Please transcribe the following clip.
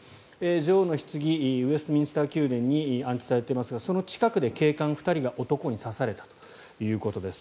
女王のひつぎウェストミンスター宮殿に安置されていますがその近くで警官２人が男に刺されたということです。